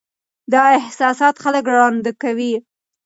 دا احساسات خلک ړانده کوي.